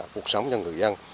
cuộc sống cho người dân